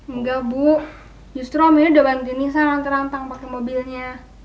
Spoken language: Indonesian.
enggak bu justru om ini udah bantu nisa rantar rantang pake mobilnya